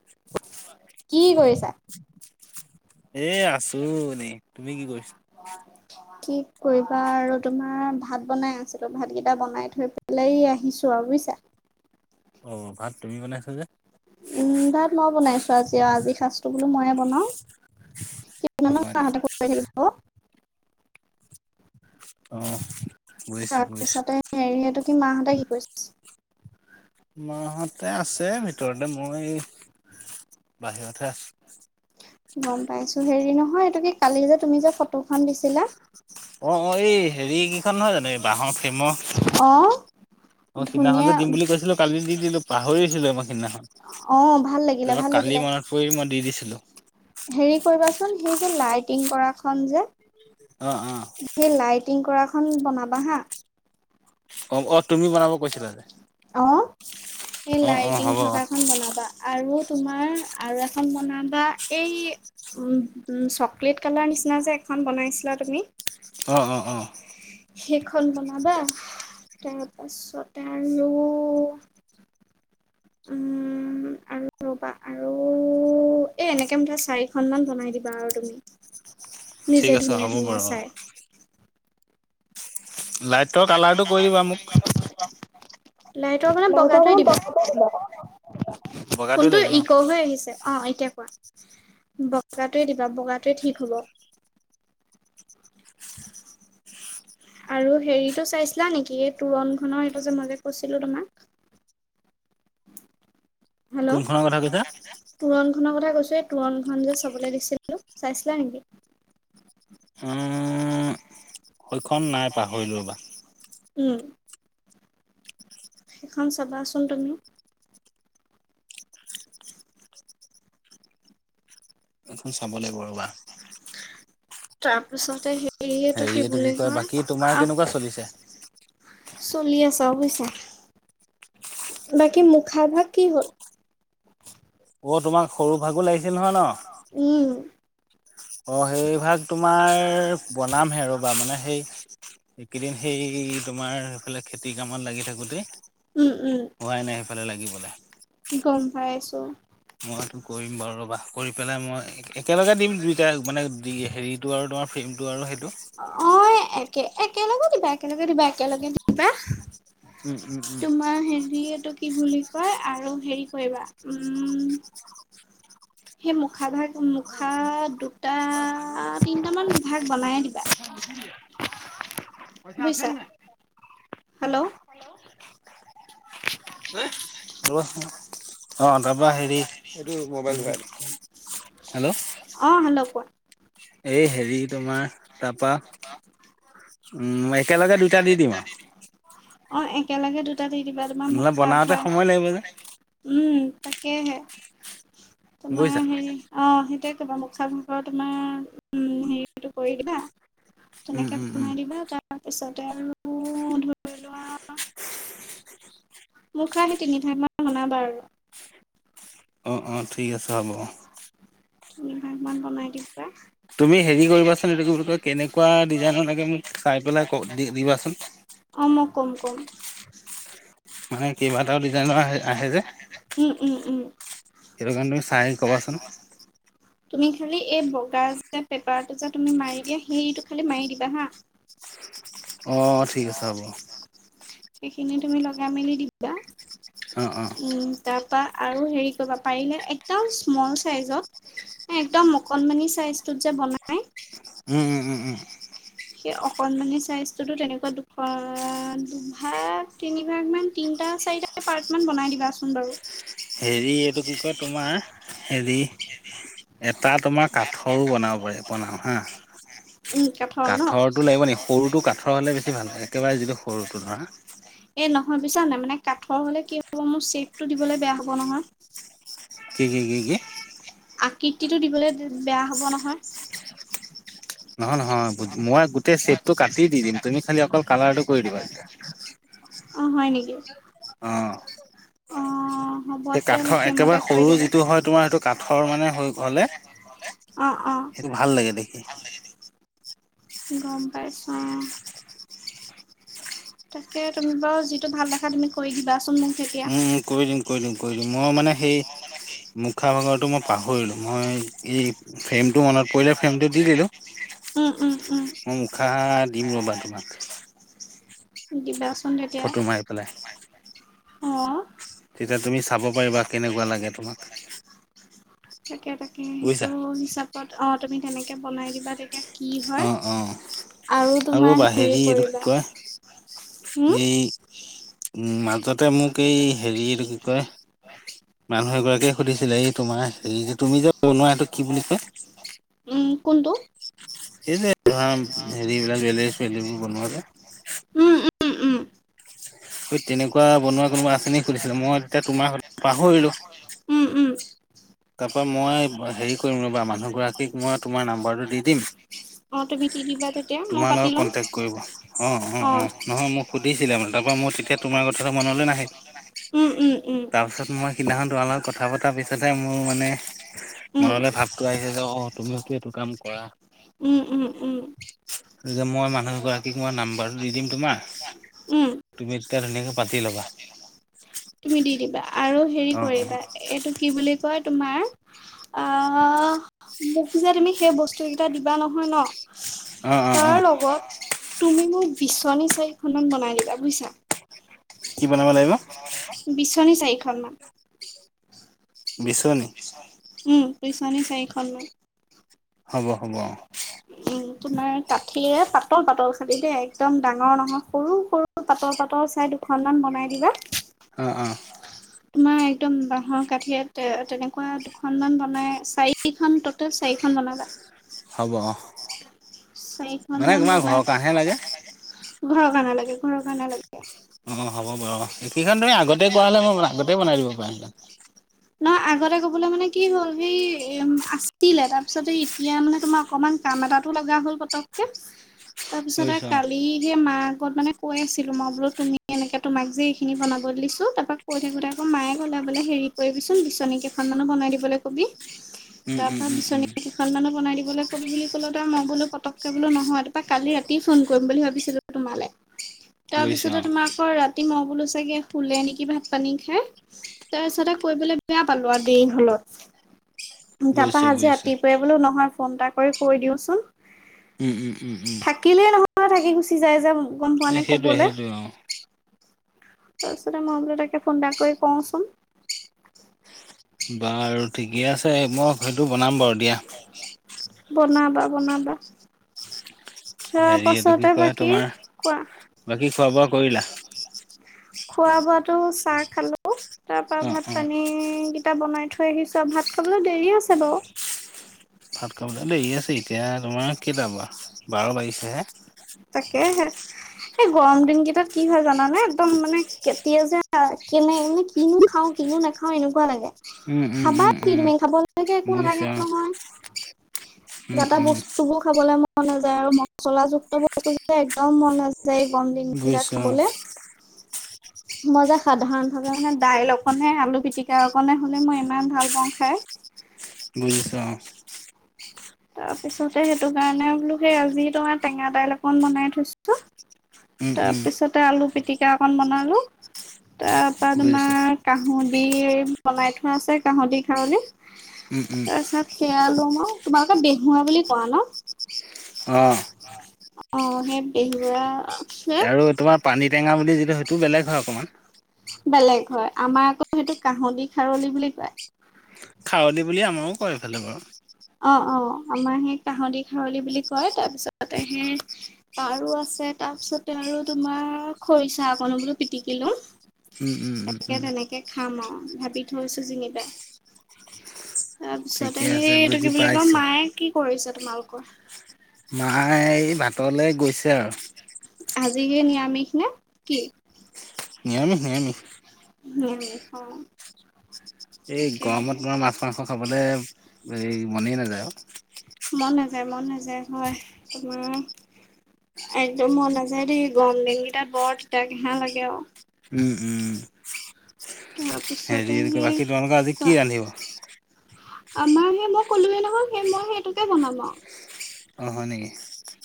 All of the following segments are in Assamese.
[inaudible] কি কৰিছা? এ, আছোঁ এনে। তুমি কি কৰিছা? কি কৰিবা আৰু তোমাৰ ভাত বনাই আছিলোঁ, ভাতকেইটা বনাই থৈ পেলাই আহিছো আৰু বুজিছা? অ' ভাত তুমি বনাইছা যে। উম, ভাত মই বনাইছোঁ। আজি আজি সাজটো বোলো ময়ে বনাওঁ। অ হয় নেকি [unintelligible] অ'। বুজিছো বুজিছো তাৰপিছতে হেৰিহতে কি, মাহঁতে কি কৰিছে? মাহতে আছে ভিতৰতে, মই বাহিৰতহে আছো। গম পাইছোঁ। হেৰি নহয় এইটো কি কালি যে তুমি যে ফটোখন দিছিলা। অ', অ' এই হেৰি কেইখন নহয় জানো, এই বাঁহৰ ফেমৰ? অ' অ' সেইদিনাখন ধুনীয়া যে দি বুলি কৈছিলো, কালি দি দিলো, পাহৰি আছিলো আমাৰ সিদিনাখন। অ' ভাল লাগিলে তাৰপৰা ভাল কালি লাগিলে। মনত পৰি মই দি দিছিলো। হেৰি কৰিবাচোন, সেই যে লাইটিং কৰাখন যে। অ', অ'। সেই লাইটিং কৰাখন বনাবা হা। অ অ তুমি বনাব কৈছিলা যে অ' এই অ অ লাইটিং হ'ব অ থকাখন বনাবা। আৰু তোমাৰ আৰু এখন বনাবা এই উম, চকলেট কালাৰৰ নিচিনা যে এখন বনাইছিলা তুমি। অ', অ', অ'। সেইখন বনাবা। তাৰপাছতে আৰু উম [inaudible] আৰু ৰ'বা আৰু ৰু এ, এনেকে মুঠ চাৰিখন মান বনাই দিবা আৰু তুমি। ঠিক নিজে আছে ধুনীয়া হ'ব ধুনীয়া বাৰু অ চাই। লাইটৰ কালাৰটো কৈ দিবা মোক। লাইটৰ মানে বগাটোৱে দিবা [unintelligible] বগাটোৱে ফোনটো লাগিব ন ইক' হৈ আহিছে। অ' এতিয়া কোৱা, বগাটোৱে দিবা, বগাটোৱে ঠিক হ'ব। আৰু হেৰিটো চাইছিলা নেকি এই তোৰণখনৰ এইটো যে মই যে কৈছিলো তোমাক। হেল্ল' কোনখনৰ কথা কৈছা? তোৰণখনৰ কথা কৈছোঁ। এই তোৰণখন যে চাবলৈ দিছিলোঁ চাইছিলা নেকি? উ, সৈখন নাই পাহৰিলো ৰবা। উম। সেইখন চাবাচোন তুমি। এইখন চাব লাগিব ৰবা। তাৰপিছতে হেৰিয়েটো হেৰি কি এইটো বুলি কয় বাকী তোমাৰ কেনেকুৱা আহ চলিছে চলি আছে আৰু বুজিছা, বাকী মুখা ভাগ কি হ'ল? অ' তোমাক সৰু ভাগো লাগিছিল নহয় ন'? উম। অ' সেই ভাগ তোমাৰ বনামহে ৰ'বা মানে সেই এইকেইদিন সেই তোমাৰ সেইফালে খেতিৰ কামত লাগি থাকোতেই। উম উম। হোৱাই নাই সেইফালে লাগিবলে। গম পাই আছো। মইটো কৰিম বাৰু ৰবা কৰি পেলাই মই একেলগে দিম দুইটা মানে হেৰিত। টো আৰু তোমাৰ ফ্ৰেমটো আৰু সেইটো অ' একে একেলগে দিবা একেলগে দিবা একেলগে দিবা। উম উম উম। তোমাৰ হেৰিটো কি বুলি কয় আৰু হেৰি কৰিবা উম সেই মুখা ভাগ মুখা দুটা তিনিটামান ভাগ বনাইয়ে দিবা। বুজিছা, হেল্ল'। হেল্ল'। [unintelligible] অ' তাৰপৰা হেৰি সেইটো মোবাইল হেল্ল'। অ' হেল্ল', কোৱা। এই হেৰি তোমাৰ তাপৰা। [unintelligible] উম, একেলগে দুইটা দি দিম আৰু। অ' একেলগে দুটা দি দিবা তোমাৰ আৰু মোক নহ'লে খাই বনাওঁতে ভা সময় লাগিব যে উম, তাকেই হে তোমাৰ বুজিছা হেৰি অ' সেইটোৱে ক'বা [unintelligible] তোমাৰ উম' হেৰিটো কৰি দিবা। উম তেনেকে উম উম বনাই দিবা তাৰপিছতে আৰু ধৰি লোৱা। মোৰ কাৰণে তিনিটা মান বনাবা আৰু। অ', অ', ঠিক আছে হ'ব। তিনি ভাগমান বনাই দিবা। তুমি হেৰি কৰিবাচোন এইটো কি বুলি কয় কেনেকুৱা ডিজাইনৰ লাগে মোক চাই পেলাই দিবাচোন। অ' মই ক'ম ক'ম। মানে কেইবাটাও ডিজাইনৰ আহ আহে যে। উম উম উম সেইটো কাৰণে তুমি চাই ক'বাচোন। তুমি খালি এই বগা যে পেপাৰটো যে তুমি মাৰি দিয়া সেইটো খালি মাৰি দিবা হা। অ' ঠিক আছে হ'ব। সেইখিনি তুমি লগাই মেলি দিবা, অ অ উম। তাৰ পৰা আৰু হেৰি কৰিবা পাৰিলে একদম স্মল চাইজত একদম অকণমানি চাইজতো যে বনাই। উম', উম', উম', উম'। সেই অকণমানি চাইজটোতো তেনেকুৱা দুখ দুভাগ তিনি ভাগমান তিনিটা চাৰিটা পাৰ্টমান বনাই দিবাচোন বাৰু। হেৰি এইটো কি কয় তোমাৰ, হেৰি। এটা তোমাৰ কাঠৰো বনাব পাৰি বনাম হা। উম, কাঠৰ ন? কাঠৰটো লাগিব নেকি সৰুটো কাঠৰ হ'লে বেছি ভাল একেবাৰে যিটো সৰুটো ধৰা। এই নহয় [unintelligible] নাই মানে কাঠৰ হ'লে কি হ'ব মোৰ শ্বেপটো দিবলৈ বেয়া হ'ব নহয়। কি কি কি কি? আকৃতিটো দিবলৈ বেয়া হ'ব নহয়। নহয় নহয় মই গোটেই শ্বেপটো কাটি দি দিম তুমি খালি অকল কালাৰটো কৰি দিবা তেতিয়া। অ' হয় নেকি। অ'। অ' হ'ব এতিয়া কাঠৰ [unintelligible] সেইমতে একেবাৰে কৰি সৰু দিব। যিটো হয় তোমাৰ সেইটো কাঠৰ মানে হৈ হ'লে সেইটো ভাল লাগে দেখি। গ'ম পাইছো এয়া। তাকে তুমি বাৰু যিটো ভাল দেখা তুমি কৰি দিবাচোন মোক তেতিয়া। উম', উম', কৰি দিম কৰি দিম কৰি দিম মই মানে সেই, মুখা ভাগত মই পাহৰিলোঁ মই ই ফ্ৰেমটো মনত পৰিলে ফ্ৰেমটো দি দিলোঁ। উম, উম, উম মই মুখা দিম ৰ'বা তোমাক। দিবা ফটো মাৰি পেলাই, অ'। তেতিয়া তুমি চাব পাৰিবা কেনেকুৱা লাগে তোমাক। তাকে তাকে সেইটো বুজিছা। হিচাপত অ' তুমি তেনেকে বনাই দিবা তেতিয়া কি হয়, অ', অ', আৰু তোমাৰ ৰ'বা হেৰি এইটো কি কৰিবা। কয় উম, এই উম, মাজতে মোক এই হেৰিটো কি কয়। মানুহ এগৰাকীয়ে সুধিছিলে এই তোমাৰ হেৰি যে তুমি যে বনোৱা এইটো কি বুলি কয় উম কোনটো? সেই যে ধৰা হেৰিবলাক [unintelligible] উম, উম, উম, এই তেনেকুৱা বনোৱা কোনোবা আছেনি সুধিছিলে মই তেতিয়া তোমাৰ পাহৰিলো উম, উম। তাৰপা মই হেৰি কৰিম ৰবা মানুহ গৰাকীক মই তোমাৰ নাম্বাৰটো দি দিম। অ' তুমি দি দিবা তেতিয়া মই তোমাৰ পাতি লগত ল'ম কন্টেক কৰিব। অ', অ', অ' নহয় মোক সুধিছিলে মানে তাৰপৰা মোৰ তোমাৰ কথাটো মনলৈ নাহিল। উম, উম, উম, তাৰপিছত মই সিদিনাখন তোমাৰ লগত কথা পতাৰ পিছতহে মোৰ মানে উম। মনলৈ ভাবটো আহিছে যে অ' তুমিতো এইটো কাম কৰা। উম উম উম। মই মানুহ গৰাকীক মই নাম্বাৰটো দি দিম তোমাৰ। উম। তুমি তেতিয়া ধুনীয়াকে পাতি লবা। তুমি দি দিবা আৰু হেৰি অ কৰিবা এইটো কি বুলি কয় তোমাৰ মোক যে তুমি সেই বস্তুকেইটা দিবা নহয় ন। অ অ অ তাৰ অ লগত তুমি মোক বিচনী চাৰিখনমান বনাই দিবা বুজিছা। কি বনাব লাগিব? বিচনি চাইখন মান বিছনি। উম বিচনী চাৰিখনমান। হ'ব হ'ব। উম তোমাৰ কাঠিৰে পাতল পাতল খাঠি দেই একদম ডাঙৰ নহয় সৰু সৰু। [unintelligible] পাতল পাতল চাই দুখনমান বনাই দিবা। অ', অ'। তোমাৰ একদম বাহৰ কাঠিয়ে তেনেকুৱা দুখনমান বনাই চাৰি খন ট'টেল চাৰিখন বনাবা। হ'ব অ চাৰিখন মানে মান তোমাৰ ঘৰৰ বনাই কাৰণেহে লাগে ঘৰৰ কাৰনে লাগে ঘৰ কাৰনে লাগে। অ' হ'ব বাৰু এইকেইখন ধৰি আগতে কৰা হ'লে মই আগতে বনাই দিব পাৰি নহ আগতে কবলৈ মানে কি হ'ল সেই এম আছিলে তাৰপিছতে এতিয়া মানে তোমাৰ অকমান কাম এটাতো লগা হ'ল পতককে। [inaudible] তাৰপিছত আৰু অ কালি সে মাৰ আগত মানে কৈ আছিলো মই বোলো তুমি এনেকে তোমাক যে এইখিনি বনাব বল দিছো তাৰপা কৈ থাকোতে আকৌ মায়ে কলে বোলে হেৰি কৰিবিচোন বিচনী কেইখনমানো বনাই দিবলৈ কবি। উম উম তাৰপা উম উম বিচনী এখন মানো বনাই দিবলৈ কবি বুলি ক'লো তই মই বোলো পটকৈ বোলো নয় তাৰপৰা কালি ৰাতি ফোন কৰিম বুলি ভাবিছিলো তোমালে। [inaudible] তাৰপিছতে অ তোমাৰাকৰ ৰাতি ম বোলো চাগে খুলে নেকি ভাত পানী খাই তাৰপিছতে কৈ পেলাই বেয়া পালো আৰু দেৰি হলত। তাৰাপা বুজিছো আজি বুজিছো ৰাতিপুৱাই বোলো নহয় ফোন এটা কৰি কৈ দিওঁচোন। ওম ওম ওম ওম। থাকিলেই নহয় থাকি গুচি যায় যে গম পোৱা এ নে সেইটোৱে কবলৈ। সেইটোৱে অ তাৰপিছতে মই বোলে তাকে ফোন এটা কৰি কওঁচোন। বাৰু ঠিকে আছে মই সেইটো বনাম বাৰু দিয়া। বনাবা বনাবা। তোৱা পাছতে বাকী কোৱা বাকি খোৱা বোৱা কৰিলা? খোৱা বোৱাটো চাহ খালো তাৰ পৰা অ ভাত অ পানী এটা বনাই থৈ আহিছো আৰু ভাত খাবলৈ দেৰি আছে বাৰু। ভাত খাবলে দেৰি আছে এতিয়া তোমাৰ কেইটাবা বাৰ বাজিছে হে। তাকে হে। এই গৰম দিন কেইটাত কি হয় জানানে একদম মানে কেতিয়া যে কেনে মানে কিনো খাওঁ কিনো নাখাওঁ এনেকুৱা লাগে, উম উম খাবা উম কি উম তুমি খাবলৈকে একো নাথাকে বুজিছো অ নহয়। উম যাতা উম বস্তু বোৰ খাবলৈ মন মন নাযায় আৰু মচলাযুক্ত বস্তু যে একদম মন নাযায় গৰম দিনকেইটাত বুজিছো খাবলে। [unintelligible] মই যে সাধাৰণ ভাৱে মানে দাইল অকণে আলু পিটিকা অকণনে হ'লে মই ইমান ভাল পাওঁ খাই। বুজিছোঁ অ'। তাৰপিছতে সেইটো কাৰণে বোলো সেই আজি তোমাৰ টেঙা দাইল অকণ বনাই থৈছোঁ। উম উম তাৰপিছতে আলু পিটিকা অকন বনালো, তাৰপৰা বুজিছো তোমাৰ কাহুদি বনাই থোৱা আছে কাহুদি খাৱলি, উম, উম, তাৰপিছত সেয়ালুমই, তোমালোকে বেহুৱা বুলি কোৱা ন। অ'। অ', সেই বিহুৰা আৰু তোমাৰ পানী টেঙা বুলি যিটো সেইটো বেলেগ হয় অকনমান। বেলেগ হয় আমাৰ আকৌ সেইটো কাহুদি খাৰলি বুলি কয়। খাৱলী বুলি আমাৰো কয় এইফালে বাৰু। অ', অ', আমাৰ সেই কাহুদি খাৰলী বুলি কয় তাৰপিছতে সেই তাৰো আছে তাৰ পিছতে আৰু তোমাৰ খৰিচা আকনো বোলো পিটিকি লওঁ। উম', উম', উম', তাকে উম'। তেনেকে খাম আৰু ভাবি থৈছোঁ জিঙিবা, তাৰপিছতে ঠিকে আছে সেই কি বুজি বুলি কয় পাইছোঁ। মায়ে কি কৰিছে তোমালোকৰ। মায় এই ভাতলৈ গৈছে আৰু। আজিহে নিৰামিষ নে, কি। নিৰামিষ নিৰামিষ। [unintelligible] এই গৰমত তাকেহে মানে মাছ মাংস খাবলে এই মনেই নেযায়ও। মন নাযায় মন নাযায় হয় তোমাৰ একদম মন নাযায় দেই গৰম দিনকেইটা বৰ তিতা কেঁহা লাগে আৰু। উম', উম'। তাৰপিছতে হেৰি সেই বাকী তোমালোকৰ আজি কোৱা কি ৰান্ধিব। আমাৰ সেই মই কলোয়ে নহয় সেই মই সেইটোকে বনাম আৰু। অ', হয় নেকি।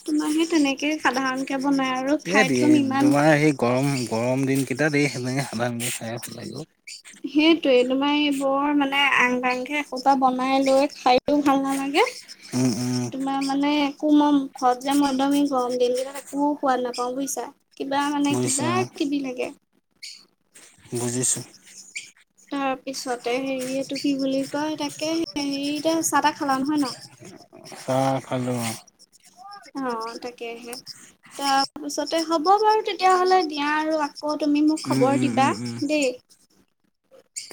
তোমাৰ সেই তেনেকে সাধাৰণকে বনাই আৰু এই খাই দি থ'ম ইমান তোমাৰ সেই গৰম গৰম দিনকেইটাত সেই সেনেকে [unintelligible] খায়ে ভাল লাগিব। সেইটোয়ে তোমাৰ এইবোৰ মানে আংগাংঘে একসোপা বনাই লৈ খাইও ভাল নালাগে। উম, উম, তোমাৰ মানে কোমম ঘৰত যে মই একদম এই গৰম দিনকেইটাত একো সোৱাদ নাপাওঁ বুজিছা। কিবা মানে বুজিছোঁ কিবা অ', কিবি লাগে। বুজিছোঁ। তাৰ পিছতে হেৰি এইটো কি বুলি কয় তাকে এই এতিয়া চাহ তাহ খালা নহয় ন। চাহ খালোঁ। অ' তাকেহে, তাৰপিছতে হ'ব বাৰু তেতিয়াহ'লে দিয়া আৰু অ' তুমি মোক উম, খবৰ উম, উম, দিবা, উম। দেই।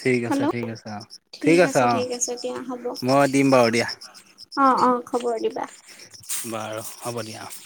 ঠিক আছে হেল্ল' ঠিক আছে অ' ঠিক আছে অ' ঠিক আছে দিয়া হ'ব। মই দিম বাৰু দিয়া। অ', অ', খবৰ দিবা। বাৰু হ'ব দিয়া অ'।